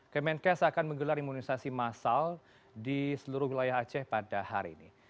kemenkes akan menggelar imunisasi massal di seluruh wilayah aceh pada hari ini